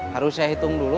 harus saya hitung dulu